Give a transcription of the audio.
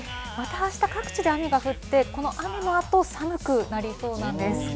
またあした、各地で雨が降って、この雨のあと、寒くなりそうなんです。